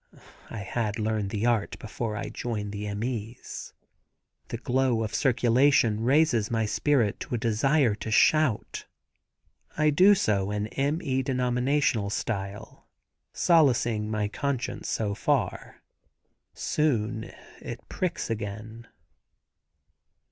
(I had learned the art before I joined the M. E.'s.) The glow of circulation raises my spirit to a desire to shout. I do so in M. E. denominational style, solacing my conscience thus far. Soon it pricks again.